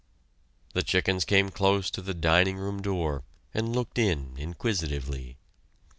The chickens came close to the dining room door, and looked in, inquisitively.